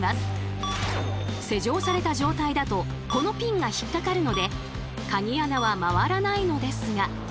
施錠された状態だとこのピンが引っかかるのでカギ穴は回らないのですが。